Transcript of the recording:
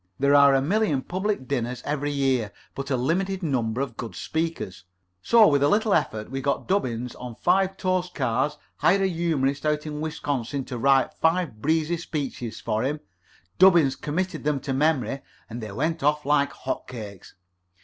There are a million public dinners every year, but a limited supply of good speakers; so, with a little effort, we got Dubbins on five toast cards, hired a humorist out in Wisconsin to write five breezy speeches for him, Dubbins committed them to memory, and they went off like hot cakes.